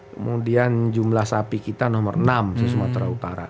kemudian jumlah sapi kita nomor enam di sumatera utara